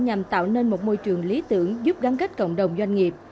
nhằm tạo nên một môi trường lý tưởng giúp gắn kết cộng đồng doanh nghiệp